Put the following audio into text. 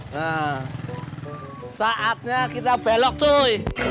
nah saatnya kita belok tuh